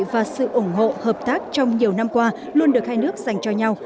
và sự ủng hộ hợp tác trong nhiều năm qua luôn được hai nước dành cho nhau